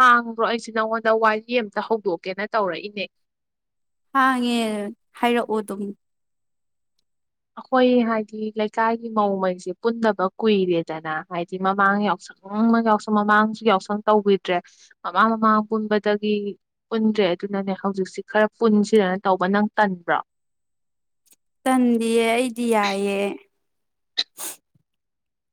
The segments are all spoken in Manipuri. ꯍꯥꯡꯕ꯭ꯔꯣ ꯑꯩꯁꯨ ꯅꯉꯣꯟꯗ ꯋꯥꯔꯤ ꯑꯃꯇ ꯍꯧꯗꯣꯛꯀꯦꯅꯥ ꯇꯧꯔꯛꯏꯅꯦ ꯍꯥꯡꯉꯦ ꯍꯥꯏꯔꯛꯑꯣ ꯑꯗꯨꯝ ꯑꯩꯈꯣꯏ ꯍꯥꯏꯗꯤ ꯂꯩꯀꯥꯏꯒꯤ ꯃꯧꯉꯩꯁꯦ ꯄꯨꯟꯗꯥꯕ ꯀꯨꯏꯔꯦꯗꯅ ꯍꯥꯏꯗꯤ ꯃꯃꯥꯡ ꯌꯥꯎꯁꯪ ꯑꯗꯨꯨꯝ ꯌꯥꯎꯁꯪ ꯃꯃꯥꯡꯁꯨ ꯌꯥꯎꯁꯪ ꯇꯧꯈꯤꯗ꯭ꯔꯦ ꯃꯃꯥꯡ ꯃꯃꯥꯡ ꯄꯨꯟꯕꯗꯒꯤ ꯄꯨꯟꯗ꯭ꯔꯦ ꯑꯗꯨꯅꯥꯅꯦ ꯍꯧꯖꯤꯛꯁꯤ ꯈꯥꯔ ꯄꯨꯟꯁꯤꯔꯅ ꯇꯧꯕ ꯅꯪ ꯇꯟꯕ꯭ꯔꯣ ꯇꯟꯗꯤꯌꯦ ꯑꯩꯗꯤ ꯌꯥꯏꯌꯦ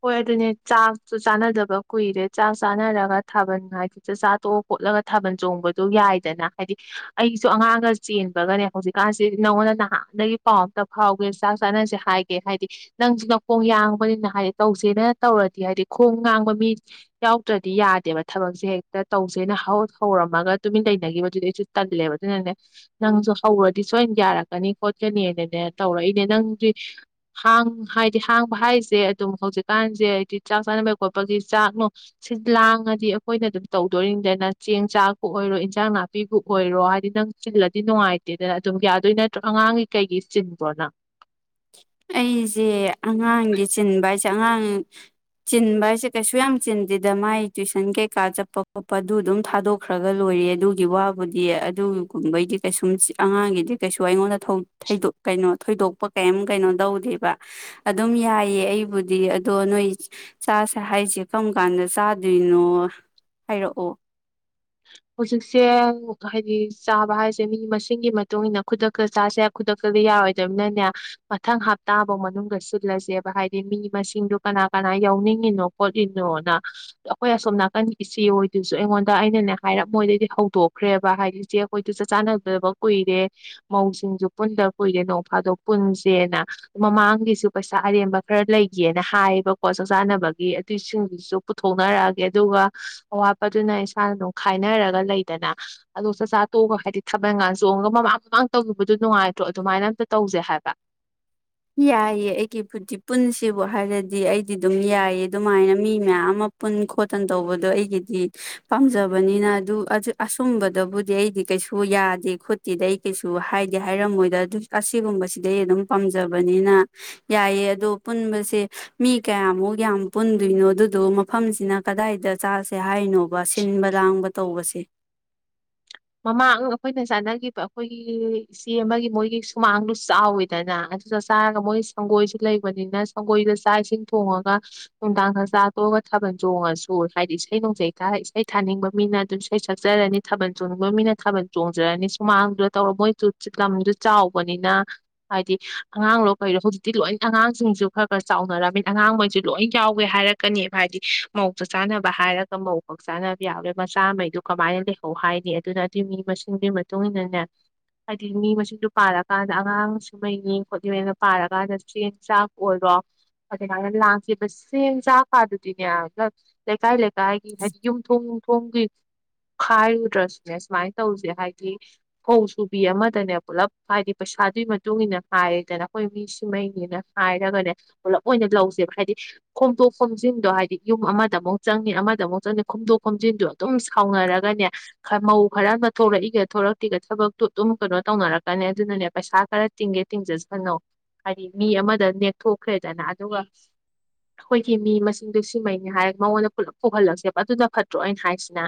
ꯍꯣꯏ ꯑꯗꯨꯅꯦ ꯆꯥꯛꯁꯨ ꯆꯥꯅꯗꯕ ꯀꯨꯏꯔꯦ ꯆꯥꯛ ꯆꯥꯅꯔꯒ ꯊꯥꯕꯜ ꯍꯥꯏꯗꯤ ꯆꯥꯛ ꯆꯥ ꯇꯣꯛꯑ ꯈꯣꯠꯂꯒ ꯊꯥꯕꯜ ꯆꯣꯡꯕꯗꯣ ꯌꯥꯏꯗꯅ ꯍꯥꯏꯗꯤ ꯑꯩꯁꯨ ꯑꯉꯥꯡꯒ ꯆꯦꯟꯕꯒꯥꯅꯦ ꯍꯧꯖꯤꯛꯀꯥꯟꯁꯤ ꯅꯪꯉꯣꯟꯗ ꯅꯍꯥꯟꯗꯒꯤ ꯄꯥꯎ ꯑꯝꯇ ꯐꯥꯎꯒꯦ ꯆꯥꯛ ꯆꯥꯅꯁꯦ ꯍꯥꯏꯒꯦ ꯍꯥꯏꯗꯤ ꯅꯪꯁꯨ ꯅꯈꯣꯡ ꯌꯥꯡꯕꯅꯤꯅ ꯍꯥꯏꯗꯤ ꯇꯧꯁꯦꯅ ꯇꯧꯔꯗꯤ ꯍꯥꯏꯗꯤ ꯈꯣꯡ ꯉꯥꯡꯕ ꯃꯤ ꯌꯥꯎꯗ꯭ꯔꯗꯤ ꯌꯥꯗꯦꯕ ꯊꯕꯛꯁꯦ ꯍꯦꯛꯇ ꯇꯧꯁꯦꯅ ꯍꯧꯔꯝꯃꯒ ꯇꯨꯃꯤꯟ ꯂꯩꯅꯈꯤꯕꯗꯨꯗꯤ ꯑꯩꯁꯨ ꯇ ꯂꯩꯦꯕ ꯑꯗꯨꯅꯦ ꯅꯪꯁꯨ ꯍꯧꯔꯗꯤ ꯁꯣꯏꯅ ꯌꯥꯔꯛꯀꯅꯤ ꯈꯣꯠꯀꯅꯤꯅꯅꯦ ꯇꯧꯔꯛꯏꯅꯦ ꯅꯪꯗꯤ ꯍꯥꯡ ꯍꯥꯏꯗꯤ ꯍꯥꯡꯕ ꯍꯥꯏꯁꯦ ꯑꯗꯨꯝ ꯍꯧꯖꯤꯛꯀꯥꯟꯁꯦ ꯍꯥꯏꯗꯤ ꯆꯥꯛ ꯆꯥꯅꯕꯒꯤ ꯈꯣꯠꯄꯒꯤ ꯆꯥꯛꯅꯣ ꯁꯤ ꯂꯥꯡꯉꯗꯤ ꯑꯩꯈꯣꯏꯅ ꯑꯗꯨꯝ ꯇꯧꯗꯣꯔꯤꯅꯤꯗꯅ ꯆꯦꯡ ꯆꯥꯛꯄꯨ ꯑꯣꯏꯔꯣ ꯏꯟꯖꯥꯡ ꯅꯥꯄꯤꯕꯨ ꯑꯣꯏꯔꯣ ꯍꯥꯏꯗꯤ ꯅꯪ ꯆꯤꯜꯂꯗꯤ ꯅꯨꯡꯉꯥꯏꯇꯦꯗꯅ ꯑꯗꯨꯝ ꯌꯥꯗꯣꯏ ꯅꯠꯇ꯭ꯔꯣ ꯑꯉꯥꯡꯒꯤ ꯀꯩꯒꯤ ꯆꯤꯟꯕ꯭ꯔꯣꯅ ꯑꯩꯁꯦ ꯑꯉꯥꯡꯒꯤ ꯆꯤꯟꯕ ꯍꯥꯏꯁꯦ ꯑꯉꯥꯡ ꯆꯤꯟꯕ ꯍꯥꯏꯁꯦ ꯀꯩꯁꯨ ꯌꯥꯝ ꯆꯤꯟꯗꯦꯗ ꯃꯥꯥꯏ ꯇꯨꯋꯏꯁꯟ ꯀꯩꯀꯥ ꯆꯠꯄ ꯈꯣꯠꯄ ꯑꯗꯨ ꯑꯗꯨꯝ ꯊꯥꯗꯣꯛ ꯈ꯭ꯔꯒ ꯂꯣꯏꯔꯦ ꯑꯗꯨꯒꯤ ꯋꯥꯕꯨꯗꯤ ꯑꯗꯨꯒꯨꯝꯕꯩꯗꯤ ꯀꯩꯁꯨꯝ ꯑꯉꯥꯡꯒꯤꯗꯤ ꯀꯩꯁꯨ ꯑꯩꯉꯣꯟꯗ ꯊꯗꯣꯛ ꯀꯩꯅꯣ ꯊꯣꯏꯗꯣꯛꯄ ꯀꯩꯝ ꯀꯩꯅꯣ ꯇꯧꯗꯔꯤꯕ ꯑꯗꯨꯝ ꯌꯥꯏꯌꯦ ꯑꯩꯕꯨꯗꯤ ꯑꯗꯣ ꯅꯣꯏ ꯆꯥꯁꯦ ꯍꯥꯏꯁꯦ ꯀꯔꯝ ꯀꯥꯟꯗ ꯆꯥꯗꯣꯏꯅꯣ ꯍꯥꯏꯔꯛꯑꯣ ꯍꯧꯖꯤꯛꯁꯦ ꯍꯥꯏꯗꯤ ꯆꯥꯕ ꯍꯥꯏꯁꯦ ꯃꯤ ꯃꯁꯤꯡꯒꯤ ꯃꯇꯨꯡ ꯃꯇꯨꯡꯏꯟꯅ ꯈꯨꯗꯛꯇ ꯆꯥꯁꯦ ꯈꯨꯗꯛꯇꯗꯤ ꯌꯥꯔꯣꯏꯗꯕꯅꯅꯦ ꯃꯊꯪ ꯍꯞꯇꯥꯐꯧ ꯃꯅꯨꯡꯗ ꯁꯤꯜꯂꯁꯦꯕ ꯍꯥꯏꯗꯤ ꯃꯤ ꯃꯁꯤꯡꯗꯨ ꯀꯅꯥ ꯀꯅꯥ ꯌꯥꯎꯅꯤꯡꯉꯤꯅꯣ ꯄꯣꯠꯂꯤꯅꯣꯅ ꯑꯩꯈꯣꯏ ꯑꯁꯣꯝ ꯅꯥꯀꯟ ꯏꯆꯦ ꯑꯣꯏꯗꯨꯣꯏꯁꯨ ꯑꯩꯉꯣꯟꯗ ꯑꯩꯅꯅꯦ ꯍꯥꯏꯔꯞ ꯃꯣꯏꯗꯩꯗꯤ ꯍꯧꯗꯣꯛꯈ꯭ꯔꯦꯕ ꯍꯥꯏꯗꯤ ꯏꯆꯦ ꯑꯩꯈꯣꯏꯗ ꯆꯠ ꯆꯥꯟꯅꯗꯕ ꯀꯨꯏꯔꯦ ꯃꯧꯁꯤꯡꯁꯨ ꯄꯨꯟꯗ ꯀꯨꯏꯔꯦ ꯅꯣꯡ ꯐꯥꯗꯣꯛ ꯄꯨꯟꯁꯦꯅ ꯃꯃꯥꯡꯒꯤꯁꯨ ꯄꯩꯁꯥ ꯑꯔꯦꯝꯕ ꯈꯔ ꯂꯩꯒꯦꯅ ꯍꯥꯏꯌꯦꯕꯀꯣ ꯆꯥꯛ ꯆꯥꯅꯕꯒꯤ ꯑꯗꯨꯏꯁꯤꯡꯗꯨꯁꯨ ꯄꯨꯊꯣꯛꯅꯔꯛꯑꯒꯦ ꯑꯗꯨꯒ ꯑꯋꯥꯠꯄꯗꯨꯅ ꯏꯁꯥꯅ ꯑꯗꯨꯝ ꯈꯥꯏꯅꯔꯒ ꯂꯩꯗꯅ ꯑꯗꯣ ꯆꯥꯛꯆꯥ ꯇꯣꯛꯑꯒ ꯍꯥꯏꯗꯤ ꯊꯥꯕꯜ ꯀꯥꯟ ꯆꯣꯡꯉꯒ ꯃꯃꯥꯡ ꯃꯃꯥꯡ ꯇꯧꯈꯤꯕꯗꯨꯣ ꯅꯨꯡꯉꯥꯏꯇ꯭ꯔꯣ ꯑꯗꯨꯃꯥꯏꯅ ꯑꯝꯇ ꯇꯧꯁꯦ ꯍꯥꯏꯕ ꯌꯥꯏꯑ ꯑꯩꯒꯤ ꯄꯨꯟꯁꯤꯕꯨ ꯍꯥꯏꯔꯗꯤ ꯑꯩꯗꯤ ꯑꯗꯨꯝ ꯌꯥꯏꯑ ꯑꯗꯨꯃꯥꯏꯅ ꯃꯤ ꯃꯌꯥꯝ ꯑꯃ ꯄꯨꯟ ꯈꯣꯠꯇꯅ ꯇꯧꯕꯗꯣ ꯑꯩꯒꯤꯗꯤ ꯄꯥꯝꯖꯕꯅꯤꯅ ꯑꯗꯨ ꯑꯁꯨꯝꯕꯗꯕꯨꯗꯤ ꯑꯩꯗꯤ ꯀꯩꯁꯨ ꯌꯥꯗꯦ ꯈꯣꯠꯇꯦꯗ ꯑꯩ ꯀꯩꯁꯨ ꯍꯥꯏꯗꯦ ꯍꯥꯏꯔꯝꯃꯣꯏꯗ ꯑꯁꯤꯒꯨꯝꯕꯁꯤꯗꯩ ꯑꯗꯨꯝ ꯄꯥꯝꯖꯩ ꯐꯖꯕꯅꯤꯅ ꯌꯥꯏꯌꯦ ꯑꯗꯣ ꯄꯨꯟꯕꯁꯦ ꯃꯤ ꯀꯌꯥꯃꯨꯛ ꯌꯥꯝ ꯄꯨꯟꯗꯣꯏꯅꯣ ꯑꯗꯨꯗꯣ ꯃꯐꯝꯁꯤꯅ ꯀꯗꯥꯏꯗ ꯆꯥꯁꯦ ꯍꯥꯏꯅꯣ ꯁꯤꯟꯕ ꯂꯥꯡꯕ ꯇꯧꯕꯁꯦ ꯃꯃꯥꯡ ꯑꯩꯈꯣꯏꯅ ꯆꯥꯅꯈꯤꯕ ꯑꯩꯈꯣꯏꯒꯤ ꯆꯦ ꯑꯃꯒꯤ ꯃꯣꯏꯒꯤ ꯁꯨꯃꯥꯡꯗꯨ ꯆꯥꯎꯋꯤꯗꯅ ꯑꯗꯨꯗ ꯆꯥꯔꯒ ꯃꯣꯏ ꯁꯪꯒꯣꯏꯁꯨ ꯂꯩꯕꯅꯤꯅ ꯑꯩꯈꯣꯏꯗ ꯆꯥꯛ ꯏꯁꯤꯡ ꯊꯣꯡꯉꯒ ꯅꯨꯡꯗꯥꯡꯒ ꯆꯥꯊꯣꯛꯑꯒ ꯊꯥꯕꯜ ꯆꯣꯡꯉꯁꯨ ꯍꯥꯏꯗꯤ ꯏꯁꯩ ꯅꯣꯡꯖꯩ ꯈꯥꯔ ꯏꯁꯩ ꯊꯥꯅꯤꯡꯕ ꯃꯤꯅ ꯑꯗꯨ ꯑꯩ ꯁꯛꯆꯔꯅꯤ ꯊꯕꯜ ꯆꯣꯡ ꯃꯣꯏ ꯃꯤꯅ ꯊꯥꯕꯜ ꯆꯣꯡꯖꯔꯅꯤ ꯁꯨꯃꯥꯡꯗꯨꯗ ꯇꯧꯔ ꯃꯣꯏꯁꯨ ꯆꯤꯛꯂꯝꯗꯨꯁꯨ ꯆꯥꯎꯕꯅꯤꯅ ꯍꯥꯏꯗꯤ ꯑꯉꯥꯡꯂꯣ ꯀꯔꯣ ꯍꯧꯖꯤꯛꯇꯤ ꯂꯣꯏ ꯑꯉꯥꯡꯁꯤꯡꯁꯨ ꯈꯔ ꯈꯔ ꯆꯥꯎꯅꯔꯝꯃꯤꯅ ꯑꯉꯥꯡꯈꯩꯁꯨ ꯂꯣꯏ ꯌꯥꯎꯒꯦ ꯍꯥꯏꯔꯛ ꯀꯅꯦꯕ ꯍꯥꯏꯗꯤ ꯃꯧꯁꯨ ꯆꯥꯅꯕ ꯍꯥꯏꯔꯒ ꯃꯧ ꯈꯛ ꯆꯥꯅꯕ ꯌꯥꯎꯔꯦ ꯃꯆꯥꯉꯩꯗꯨ ꯀꯃꯥꯏꯅ ꯂꯩꯍꯧ ꯍꯥꯏ ꯑꯗꯨꯅ ꯑꯗꯨꯏ ꯃꯤ ꯃꯁꯤꯡꯗꯨꯒꯤ ꯃꯇꯨꯡꯅꯦ ꯍꯥꯏꯗꯤ ꯃꯤ ꯃꯁꯤꯡꯗꯨ ꯄꯥꯔꯀꯥꯟꯗ ꯑꯉꯥꯡ ꯁꯨꯍꯩꯅꯤ ꯈꯣꯠꯂꯤꯅ ꯄꯥꯔꯀꯥꯟꯗ ꯆꯦꯟ ꯆꯥꯛ ꯑꯣꯏꯔꯣ ꯑꯗ ꯀ ꯂꯥꯛꯀꯤꯦꯁ ꯆ ꯐꯥ ꯑꯗꯨꯗꯤꯅꯦꯂ ꯂꯩ ꯀꯥꯏ ꯂꯩ ꯀꯗꯥꯥꯏꯒꯤ ꯍꯥꯏꯗꯤ ꯌꯨꯝꯊꯣꯡ ꯌꯨꯝꯊꯣꯡꯒꯤ ꯈꯥꯏꯔꯨꯗ꯭ꯔꯁꯨꯅꯦ ꯁꯨꯃꯥꯏꯅ ꯇꯧꯁꯦ ꯍꯥꯏꯗꯤ ꯀꯧꯕꯧ ꯁꯨꯕꯤ ꯑꯃꯗꯅꯦ ꯄꯨꯜꯂꯞ ꯍꯥꯏꯗꯤ ꯄꯩꯁꯥꯗꯨꯒꯤ ꯃꯇꯨꯡ ꯏꯟꯅ ꯍꯥꯏꯔꯗꯅ ꯑꯩꯈꯣꯏ ꯃꯤ ꯁꯤꯃꯩꯅꯤꯅ ꯍꯥꯏꯔꯒꯅꯦ ꯄꯨꯂꯞ ꯑꯣꯏꯅ ꯂꯧꯁꯦꯕ ꯍꯥꯏꯗꯤ ꯈꯣꯝꯗꯣꯛ ꯈꯣꯝꯖꯤꯟꯗꯣ ꯍꯥꯏꯗꯤ ꯌꯨꯝ ꯑꯃꯗꯃꯨꯛ ꯆꯪꯅꯤ ꯑꯃꯗꯃꯨꯛ ꯆꯪꯅꯤ ꯈꯣꯝꯗꯣꯛ ꯈꯣꯝꯖꯤꯟꯗꯣ ꯑꯗꯨꯝ ꯁꯥꯎꯅꯔꯒꯅꯦ ꯃꯧ ꯈꯔ ꯑꯃ ꯊꯣꯛꯔꯛꯏꯒ ꯊꯣꯔꯛꯇꯤꯒ ꯊꯕꯛꯇꯨ ꯑꯗꯨꯝ ꯀꯩꯅꯣ ꯇꯧꯅꯔꯛꯀꯅꯤ ꯑꯗꯨꯅꯅꯦ ꯄꯩꯁꯥ ꯈꯔ ꯇꯤꯡꯒꯦ ꯇꯤꯡꯖꯁ ꯀꯅꯣ ꯍꯥꯏꯗꯤ ꯃꯤ ꯑꯃꯗ ꯅꯦꯛꯊꯣꯛꯈ꯭ꯔꯦꯗꯅ ꯑꯗꯨꯒ ꯑꯩꯈꯣꯏꯒꯤ ꯃꯤ ꯃꯁꯤꯡꯗꯣ ꯁꯤꯃꯩꯅꯤ ꯍꯥꯏꯔ ꯃꯉꯣꯟꯗ ꯄꯨꯂꯞ ꯄꯨꯍꯜꯂꯛꯁꯦꯕ ꯑꯗꯨꯅ ꯐꯠꯇ꯭ꯔꯣ ꯑꯩꯅ ꯍꯥꯏꯁꯤꯅꯦ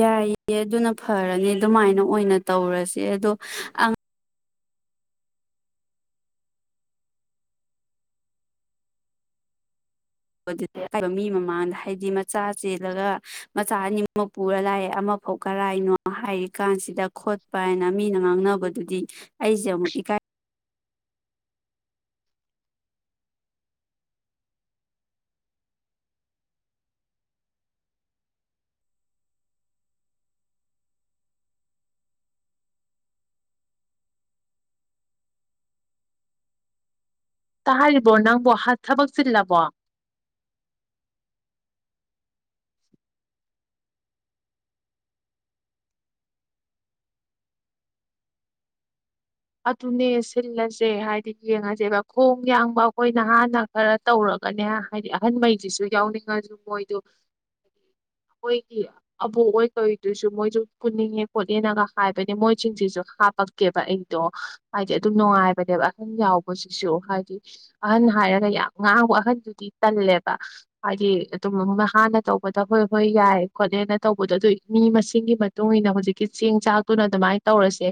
ꯌꯥꯏꯌꯦ ꯑꯗꯨꯅ ꯐꯔꯅꯤ ꯑꯗꯨꯃꯥꯏꯅ ꯑꯣꯏꯅ ꯇꯧꯔꯁꯦ ꯑꯗꯣ ꯕ ꯃꯤ ꯃꯃꯥꯡꯗ ꯍꯥꯏꯗꯤ ꯃꯆꯥ ꯆꯦꯜꯂꯒ ꯃꯆꯥ ꯑꯅꯤꯃ ꯄꯨꯔ ꯂꯥꯏꯑꯦ ꯑꯃ ꯐꯧ ꯀꯔꯥꯏꯅꯣ ꯍꯥꯏꯔꯤ ꯀꯥꯟꯁꯤꯗ ꯈꯣꯠꯄ ꯍꯥꯏꯅ ꯃꯤꯅ ꯉꯥꯡꯅꯕꯗꯨꯗꯤ ꯑꯩꯁꯖꯃꯨ ꯏꯀꯥꯏ ꯇꯥ ꯍꯥꯏꯔꯤꯕꯣ ꯅꯪꯕꯨ ꯊꯕꯛ ꯆꯤꯜꯂꯕꯣ ꯑꯗꯨꯅꯦ ꯁꯤꯜꯂꯁꯦ ꯍꯥꯏꯗꯤ ꯌꯦꯡꯉꯁꯦꯕ ꯈꯣꯡ ꯌꯥꯡꯕ ꯑꯩꯈꯣꯏ ꯅꯍꯥꯟꯅ ꯈꯔ ꯇꯧꯔꯒꯅꯦ ꯍꯥꯏꯗꯤ ꯑꯍꯟꯉꯩꯁꯤꯁꯨ ꯌꯥꯎꯅꯤꯡꯉꯁꯨ ꯃꯣꯏꯗ ꯑꯣꯏꯒꯤ ꯑꯕꯣꯛ ꯑꯣꯏ ꯀꯧꯗꯣꯏꯁꯨ ꯃꯣꯏꯁꯨ ꯄꯨꯅꯤꯡꯉꯦ ꯈꯣꯠꯂꯦꯅꯒ ꯍꯥꯏꯕꯅꯦ ꯃꯣꯏꯁꯤꯡꯁꯤꯁꯨ ꯍꯥꯄꯛꯀꯦꯕ ꯑꯩ ꯑꯗꯣ ꯍꯥꯏꯗꯤ ꯑꯗꯨꯝ ꯅꯨꯡꯉꯥꯏꯕꯅꯦꯕ ꯑꯍꯟ ꯌꯥꯎꯕꯁꯤꯁꯨ ꯍꯥꯏꯗꯤ ꯑꯍꯟ ꯍꯥꯏꯔꯒ ꯌꯥꯝ ꯉꯥꯡꯕ ꯑꯍꯟꯗꯨꯗꯤ ꯇꯜꯂꯦꯕ ꯍꯥꯏꯗꯤ ꯑꯗꯨꯝ ꯃ ꯍꯥꯟꯅ ꯇꯧꯕꯗ ꯍꯣꯏ ꯍꯣꯏ ꯌꯥꯏ ꯈꯣꯠꯂꯦꯅ ꯇꯧꯕꯗꯣ ꯑꯗꯨ ꯃꯤ ꯃꯁꯤꯡ ꯃꯇꯨꯡ ꯏꯟꯅ ꯍꯧꯖꯤꯛꯀꯤ ꯆꯦꯡ ꯆꯥꯛꯇꯨꯅ ꯑꯗꯨꯃꯥꯏꯅ ꯇꯧꯔꯁꯦ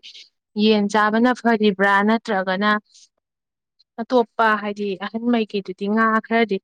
ꯌꯦꯟ ꯆꯥꯕꯅ ꯐꯔꯤꯕ꯭ꯔꯥ ꯅꯠꯇ꯭ꯔꯒꯅ ꯑꯇꯣꯞꯄ ꯍꯥꯏꯗꯤ ꯑꯍꯟꯉꯩꯀꯩꯗꯨꯗꯤ ꯉꯥ ꯈꯔꯗꯤ